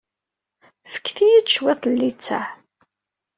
Fket-iyi-d cwiṭ n littseɛ.